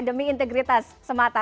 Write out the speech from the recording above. demi integritas semata